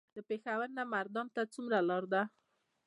د پېښور نه مردان ته څومره لار ده؟